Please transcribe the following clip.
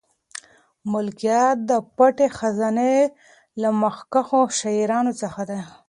ملکیار د پټې خزانې له مخکښو شاعرانو څخه دی.